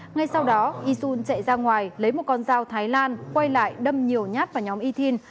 ngay sau đó yisun chạy ra ngoài lấy một con dao thái lan quay lại đâm nhiều nhát vào nhóm yitian